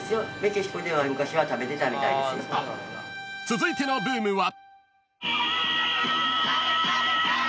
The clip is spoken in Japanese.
［続いてのブームは］